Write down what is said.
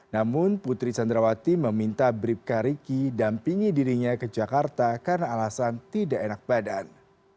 namun putri candrawati meminta bribka riki dampingi dirinya ke jakarta karena alasan tidak enak badan